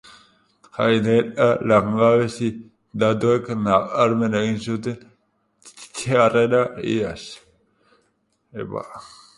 Gainera, langabezi datuek nabarmen egin zuten txarrera iaz.